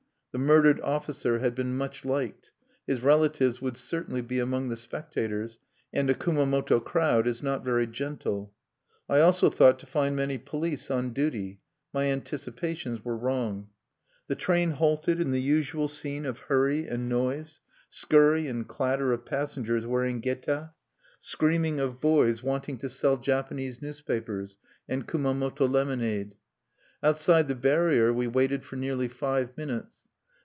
The murdered officer had been much liked; his relatives would certainly be among the spectators; and a Kumamoto crowd is not very gentle. I also thought to find many police on duty. My anticipations were wrong. The train halted in the usual scene of hurry and noise, scurry and clatter of passengers wearing geta, screaming of boys wanting to sell Japanese newspapers and Kumamoto lemonade. Outside the barrier we waited for nearly five minutes.